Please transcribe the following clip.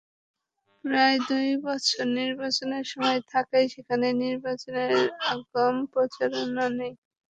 প্রায় দুই বছর নির্বাচনের সময় থাকায় সেখানে নির্বাচনের আগাম প্রচারণা নেই।